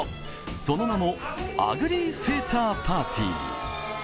その名もアグリー・セーター・パーティー。